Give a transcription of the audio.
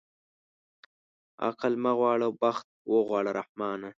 عقل مه غواړه بخت اوغواړه رحمانه.